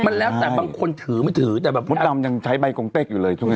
มันแล้วแต่บางคนถือไม่ถือแต่แบบมดดำยังใช้ใบกงเต็กอยู่เลยถูกไหม